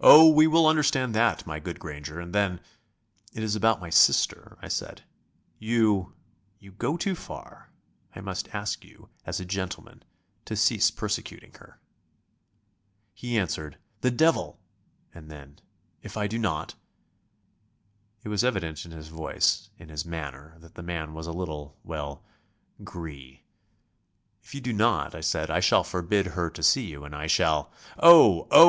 "Oh, we will understand that, my good Granger, and then ..." "It is about my sister," I said "you you go too far. I must ask you, as a gentleman, to cease persecuting her." He answered "The devil!" and then: "If I do not ?" It was evident in his voice, in his manner, that the man was a little well, gris. "If you do not," I said, "I shall forbid her to see you and I shall ..." "Oh, oh!"